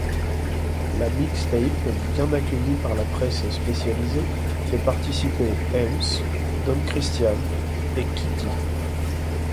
La mixtape, bien accueillie par la presse spécialisée, fait participer Heems, DonChristian, et Kitty.